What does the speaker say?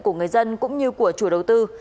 của người dân cũng như của chủ đầu tư